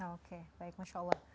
oke baik masya allah